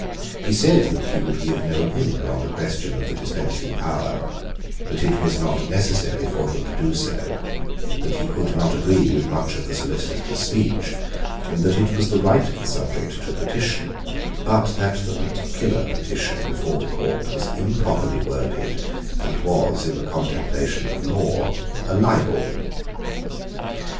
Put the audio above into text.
He said that he would give no opinion on the question of the dispensing power, that it was not necessary for him to do so, that he could not agree with much of the Solicitor's speech, that it was the right of the subject to petition, but that the particular petition before the Court was improperly worded, and was, in the contemplation of law, a libel.